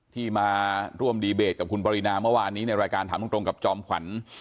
ที่มาร่วมดีเบตกับคุณปรินาเมื่อวานนี้ในรายการถามตรงกับจอมขวัญ